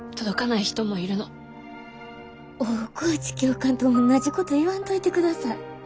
大河内教官とおんなじこと言わんといてください。